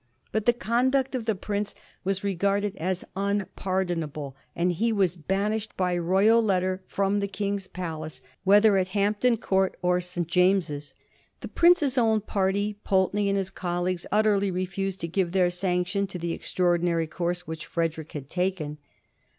But the conduct of the prince was regarded as unpardon able, and he was banished by Royal letter from the King's palace, whether at Hampton Court or St. James's. The prince's own party, Pnlteney and his colleagues, utterly refused to give their sanction to the extraordinary course which Frederick had taken.